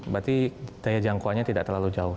berarti daya jangkauannya tidak terlalu jauh